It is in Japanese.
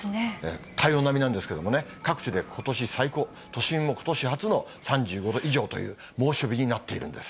体温並みなんですけれどもね、各地でことし最高、都心もことし初の３５度以上という猛暑日になっているんです。